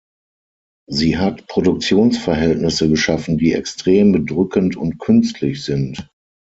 Sie hat Produktionsverhältnisse geschaffen, die extrem, bedrückend und künstlich sind.